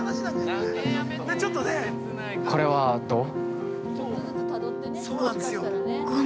これはどう？